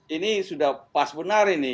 ini sudah pas benar ini